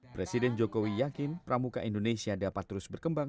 presiden jokowi yakin pramuka indonesia dapat terus berkembang